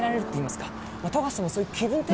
富樫さんもそういう気分転換。